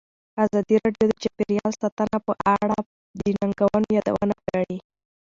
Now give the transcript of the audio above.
ازادي راډیو د چاپیریال ساتنه په اړه د ننګونو یادونه کړې.